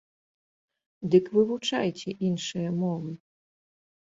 Дык вывучайце іншыя мовы!